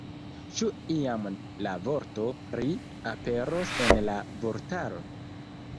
Ĉu iam la vorto ”ri” aperos en la vortaro?